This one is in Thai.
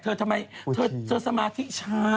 ทำไมเธอสมาธิช้า